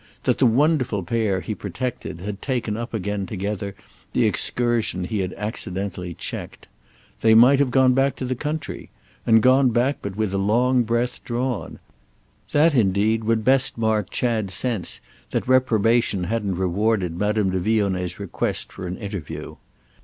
—that the wonderful pair he protected had taken up again together the excursion he had accidentally checked. They might have gone back to the country, and gone back but with a long breath drawn; that indeed would best mark Chad's sense that reprobation hadn't rewarded Madame de Vionnet's request for an interview.